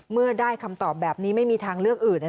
เมื่อได้คำตอบแบบนี้ไม่มีทางเลือกอื่น